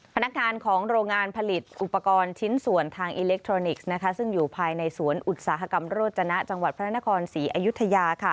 พนักงานของโรงงานผลิตอุปกรณ์ชิ้นส่วนทางอิเล็กทรอนิกส์ซึ่งอยู่ภายในสวนอุตสาหกรรมโรจนะจังหวัดพระนครศรีอยุธยา